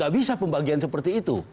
gak bisa pembagian seperti itu